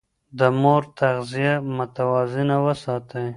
د مور تغذيه متوازنه وساتئ.